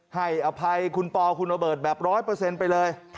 ให้อภัยคุณปอคุณระเบิดแบบ๑๐๐ไปเลย